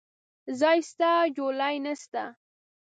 ځاى سته ، جولايې نسته.